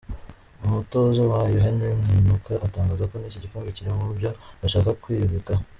Umutoza wayo Henry Mwinuka atangaza ko n’iki gikombe kiri mubyo bashaka kwibikaho.